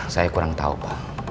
saya kurang tau pak